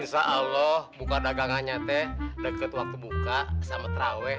insya allah buka dagangannya teh deket waktu buka sama terawih